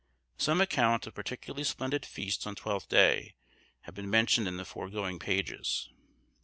Some account of particularly splendid feasts on Twelfth Day have been mentioned in the foregoing pages.